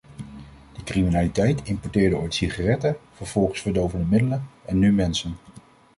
De criminaliteit importeerde ooit sigaretten, vervolgens verdovende middelen en nu mensen.